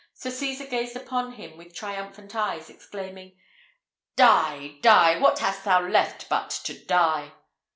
Sir Cesar gazed upon him with triumphant eyes, exclaiming, "Die, die! what hast thou left but to die?"